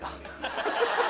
ハハハハ！